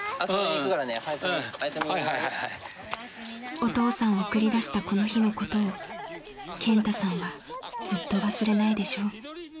［お父さんを送り出したこの日のことを健太さんはずっと忘れないでしょう］